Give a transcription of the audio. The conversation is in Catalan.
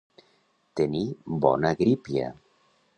Tenir bona grípia.